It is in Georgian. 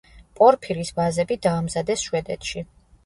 პორფირის ვაზები დაამზადეს შვედეთში.